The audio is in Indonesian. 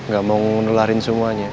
gak mau ngelahirin semuanya